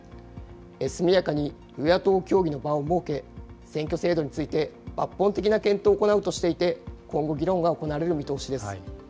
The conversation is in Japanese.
速やかに与野党協議の場を設け、選挙制度について抜本的な検討を行うとしていて、今後、議論が行われる見通しです。